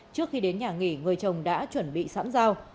trước khi đến nhà nghỉ người chồng đã chuẩn bị sẵn dao